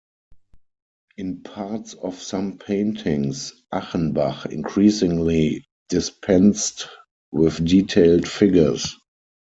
In parts of some paintings, Achenbach increasingly dispensed with detailed figures.